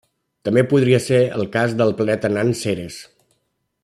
També podria ser el cas del planeta nan Ceres.